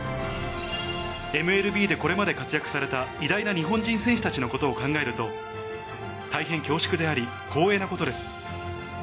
ＭＬＢでこれまで活躍された偉大な日本人選手たちのことを考えると、大変恐縮であり、光栄なことです。